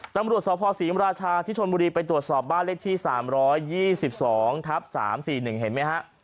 ตำรวจสภศรีมราชาที่ชนบุรีไปตรวจสอบบ้านเลขที่๓๒๒ทับ๓๔๑เห็นไหมฮะ